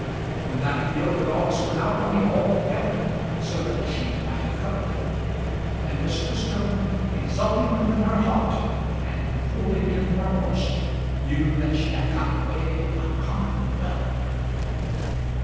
In that field the dogs were now running, altogether, so that a sheet might have covered them; and Miss Tristram, exulting within her heart and holding in her horse, knew that she had got away uncommonly well.